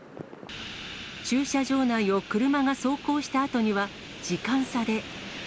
駐車場内を車が走行したあとには、時間差で。